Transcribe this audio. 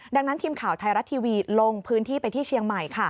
ดังนั้นทีมข่าวไทยรัฐทีวีลงพื้นที่ไปที่เชียงใหม่